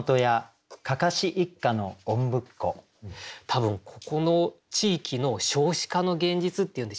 多分ここの地域の少子化の現実っていうんでしょうかね。